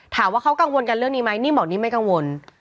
ถามว่าเขากังวลกันเรื่องนี้ไหมนิ่มบอกนิ่มไม่กังวล